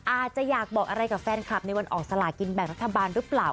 อาจจะอยากบอกอะไรกับแฟนคลับในวันออกสลากินแบ่งรัฐบาลหรือเปล่า